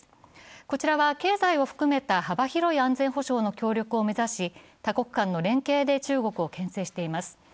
こちらは経済を含めた幅広い安全保障の協力を目指し多国間の連携で多国間の連携で中国をけん制しています。